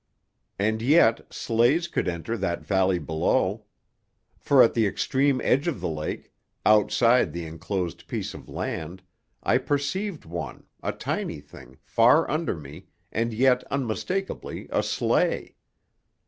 And yet sleighs could enter that valley below. For at the extreme edge of the lake, outside the enclosed piece of land, I perceived one, a tiny thing, far under me, and yet unmistakably a sleigh.